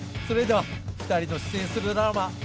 それでは２人の出演するドラマ